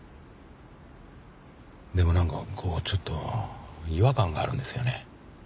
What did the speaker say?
でもなんかこうちょっと違和感があるんですよね。